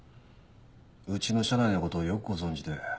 うちの社内のことをよくご存じで。